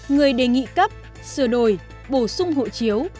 người đề nghị cấp sửa đổi bổ sung hộ chiếu